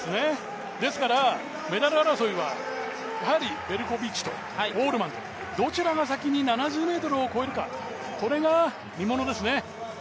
ですから、メダル争いはやはりペルコビッチとオールマンどちらが最初に７０ｍを越えるかこれが見ものですね。